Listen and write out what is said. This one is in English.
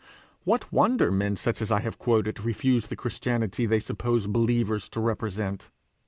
What wonder men such as I have quoted refuse the Christianity they suppose such 'believers' to represent!